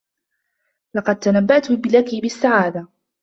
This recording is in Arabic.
لقد تنبّأت لكي بالسّعادة.